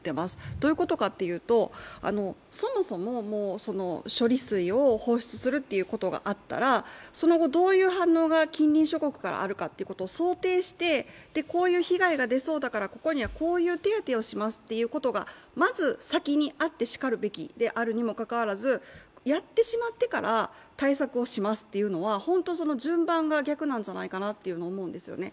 どういうことかというと、そもそも処理水を放出するということがあったら、その後どういう反応が近隣諸国からあるかということを想定して、こういう被害が出そうだからここにはこういう手当をしますというのがまず先にあってしかるべきにもかかわらず、やってしまってから、対策をしますというのは本当に順番が逆なんじゃないかと思うんですよね。